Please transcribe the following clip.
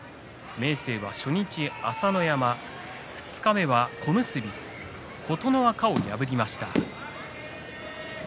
明生、西の３枚目初日が朝乃山二日目は小結琴ノ若を破りました。